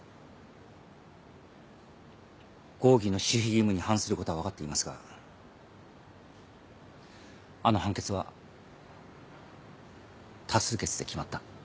合議の守秘義務に反することは分かっていますがあの判決は多数決で決まった。